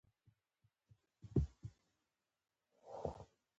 د ده په وینا، لیکوال د روښاني کورنۍ نږدې او مخلص سړی وو.